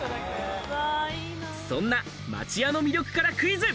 そんな町屋の魅力からクイズ。